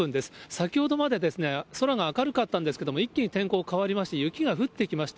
先ほどまで空が明るかったんですけれども、一気に天候変わりまして、雪が降ってきました。